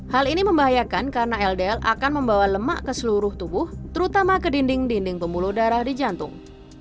hal ini membahayakan karena ldl akan membawa lemak ke seluruh tubuh terutama ke dinding dinding pembuluh darah di jantung